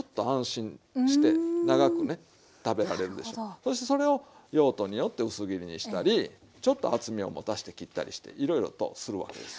そしてそれを用途によって薄切りにしたりちょっと厚みを持たして切ったりしていろいろとするわけですよ。